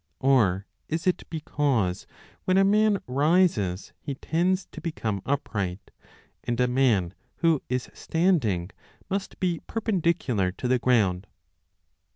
Or is it because when a man rises he tends to become upright, and a man who is standing must be perpendicular to the ground